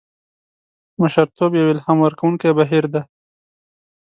مشرتوب یو الهام ورکوونکی بهیر دی.